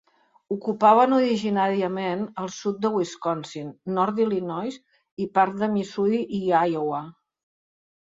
Ocupaven originàriament el sud de Wisconsin, Nord d'Illinois i part de Missouri i Iowa.